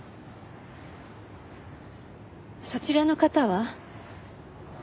そちらの方は？